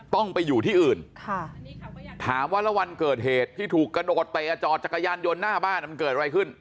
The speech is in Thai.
ต้องไปอยู่ที่อื่นค่ะถามว่าแล้ววันเกิดเหตุที่ถูกกระโดดเตะจอดจักรยานยนต์หน้าบ้านมันเกิดอะไรขึ้น